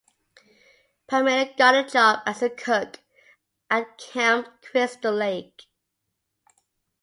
Pamela got a job as an cook at Camp Crystal Lake.